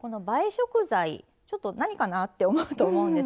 食材ちょっと何かなって思うと思うんですが